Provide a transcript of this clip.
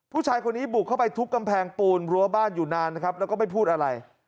ผู้ชายคนนี้บุกเข้าไปทุบกำแพงปูนรั้วบ้านอยู่นานนะครับแล้วก็ไม่พูดอะไร